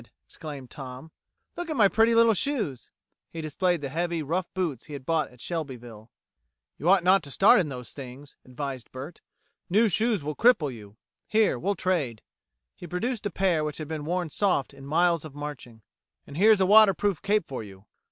exclaimed Tom. "Look at my pretty little shoes." He displayed the heavy, rough boots he had bought at Shelbyville. "You ought not to start in those things," advised Bert. "New shoes will cripple you. Here, we'll trade." He produced a pair which had been worn soft in miles of marching. "And here's a waterproof cape for you."